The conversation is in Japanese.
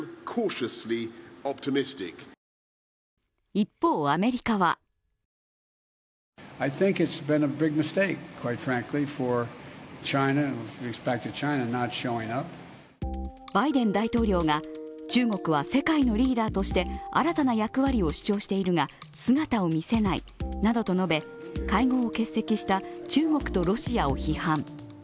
一方、アメリカはバイデン大統領が、中国は世界のリーダーとして新たな役割を主張しているが姿を見せないなどと述べ会合を欠席した中国とロシアを批判。